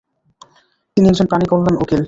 তিনি একজন প্রাণী কল্যাণ উকিল।